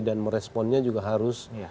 dan meresponnya juga harus